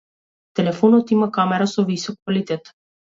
Телефонот има камера со висок квалитет.